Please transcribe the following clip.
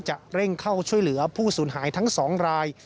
จะเร่งเข้าช่วยเหลือผู้สูญหายทั้ง๒ราย